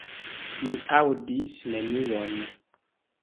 Mi aŭdis nenion.